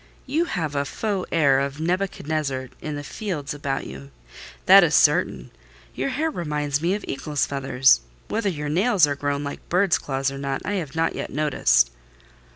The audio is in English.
You have a 'faux air' of Nebuchadnezzar in the fields about you, that is certain: your hair reminds me of eagles' feathers; whether your nails are grown like birds' claws or not, I have not yet noticed."